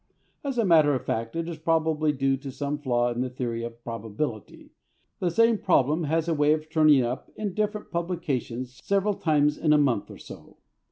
As a matter of fact it is probably due to some flaw in the theory of probability the same problem has a way of turning up in different publications several times in a month or so.